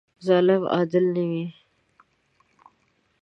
ظالم عادل نه وي.